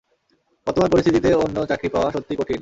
বর্তমান পরিস্থিতিতে অন্য চাকরি পাওয়া সত্যিই কঠিন।